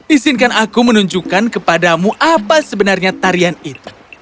izinkan aku menunjukkan kepadamu apa sebenarnya tarian itu